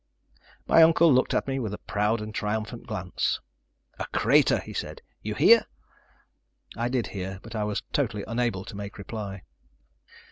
My uncle looked at me with a proud and triumphant glance. "A crater," he said, "you hear?" I did hear, but I was totally unable to make reply.